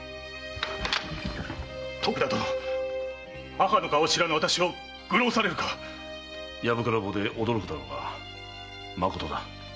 母の顔を知らぬ私を愚弄されるか⁉やぶからぼうで驚くだろうがまことだ。